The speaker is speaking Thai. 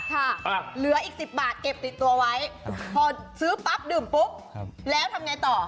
เหลืออีก๑๐บาทเก็บติดตัวไว้พอซื้อปั๊บดื่มปุ๊บแล้วทำไงต่อ